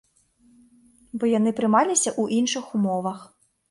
Бо яны прымаліся ў іншых умовах.